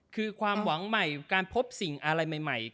คือความหวังใหม่การพบสิ่งอะไรใหม่